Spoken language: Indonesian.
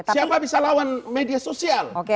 siapa bisa lawan media sosial